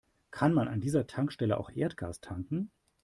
Kann man an dieser Tankstelle auch Erdgas tanken?